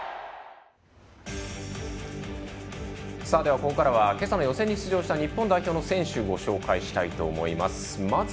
ここからはけさの予選に出場した日本代表の選手をご紹介します。